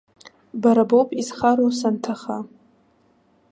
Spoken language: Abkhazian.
Бара боуп изхароу санҭаха.